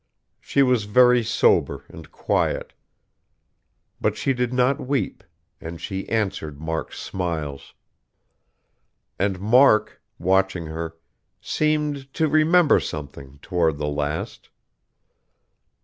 She was very sober, and quiet; but she did not weep, and she answered Mark's smiles. And Mark, watching her, seemed to remember something, toward the last.